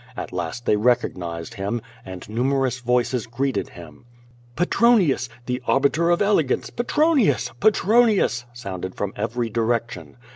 At last they recognized him, and numerous voices greeted him. "Petronius! The Arbiter of Elegance! Petronius! Pc tronius!" sounded from every direction.